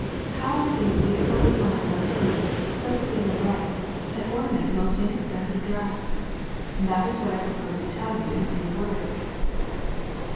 How were those beautiful designs obtained, so clear and bright, that ornament the most inexpensive dress? That is what I propose to tell you in a few words.